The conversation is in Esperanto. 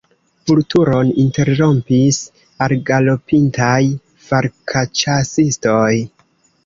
Vulturon interrompis algalopintaj falkĉasistoj.